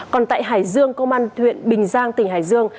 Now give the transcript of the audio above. còn tại hải dương công an huyện bình giang tỉnh hải dương